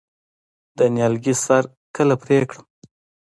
د نیالګي سر کله پرې کړم؟